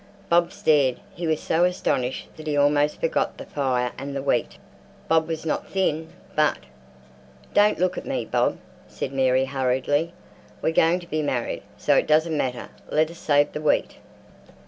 Bob stared. He was so astonished that he almost forgot the fire and the wheat. Bob was not thin—but— "Don't look at me, Bob!" said Mary, hurriedly. "We're going to be married, so it doesn't matter. Let us save the wheat."